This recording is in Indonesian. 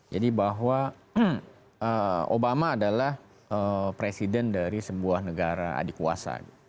jadi bahwa obama adalah presiden dari sebuah negara adik kuasa